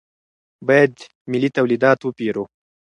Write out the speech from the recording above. باید ملي تولیدات وپېرو.